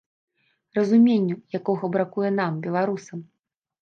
Разуменню, якога бракуе нам, беларусам.